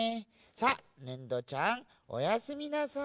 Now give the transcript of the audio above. さあねんどちゃんおやすみなさい。